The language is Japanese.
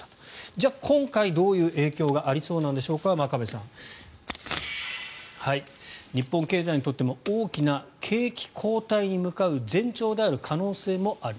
じゃあ今回どういう影響がありそうなんでしょうか真壁さん。日本経済にとっても大きな景気後退に向かう前兆である可能性もある。